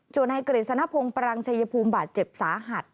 ส่วนในกฤษณพงศ์ปรังชัยภูมิบาดเจ็บสาหัส